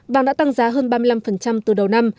vàng đã tăng giá hơn ba mươi năm từ đầu năm